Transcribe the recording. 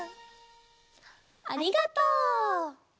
ありがとう。